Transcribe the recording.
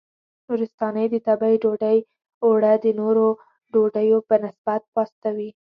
نورستانۍ د تبۍ ډوډۍ اوړه د نورو ډوډیو په نسبت پاسته وي.